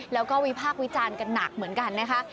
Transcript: แล้วก็วิพากษ์วิจารณ์กันหนักเหมือนกันนะคะ